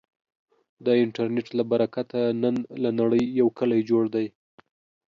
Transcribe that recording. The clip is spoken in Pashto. د انټرنټ له برکته، نن له نړې یو کلی جوړ دی.